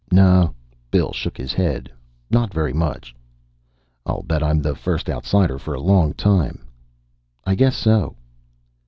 "No." Bill shook his head. "Not very much." "I'll bet I'm the first outsider for a long time." "I guess so."